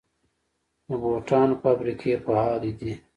د بوټانو فابریکې فعالې دي؟